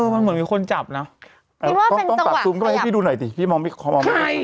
ไม่มีคนจับแล้ว